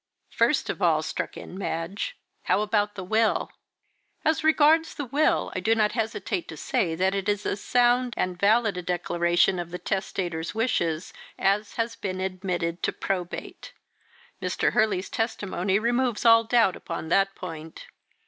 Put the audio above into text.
"First of all," struck in Madge, "how about the will?" "As regards the will, I do not hesitate to say that it is as sound and valid a declaration of the testator's wishes as has been admitted to probate Mr. Hurley's testimony removes all doubt upon that point.